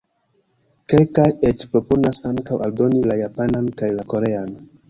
Kelkaj eĉ proponas ankaŭ aldoni la Japanan kaj la Korean.